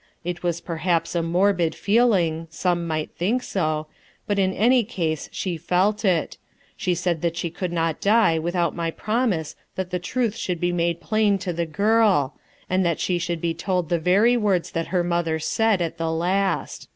It was perhaps a morbid feeling, — some might think so, —but in any case, she felt it; she said that she could not die without my promise that the truth should be made plain to the girl, and that she should be (old the very words that her mother said, at the last.